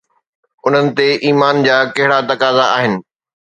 انهن تي ايمان جا ڪهڙا تقاضا آهن؟